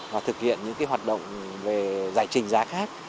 và thực hiện những hoạt động về giải trình giá khác